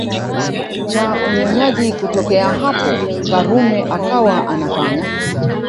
cha unyonyaji Kutokea hapo Karume akawa anafanya